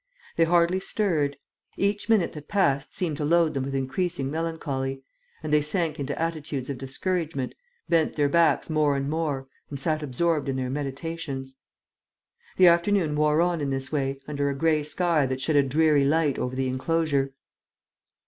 They hardly stirred. Each minute that passed seemed to load them with increasing melancholy; and they sank into attitudes of discouragement, bent their backs more and more and sat absorbed in their meditations. The afternoon wore on in this way, under a grey sky that shed a dreary light over the enclosure.